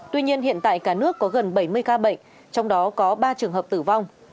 tuy nhiên hiện tại cả nước có gần bảy mươi ca bệnh trong đó có ba trường hợp tử vong